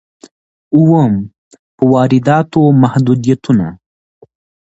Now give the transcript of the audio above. اووم: په وارداتو محدودیتونه.